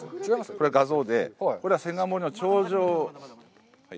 これ画像で、これは千貫森の頂上。